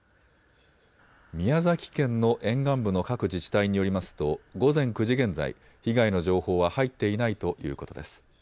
宮崎県の沿岸部の各自治体によりますと午前９時現在被害の情報は入っていないということです。